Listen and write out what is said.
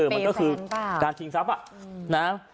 มันก็คือการสิ่งหาย้อมปกาล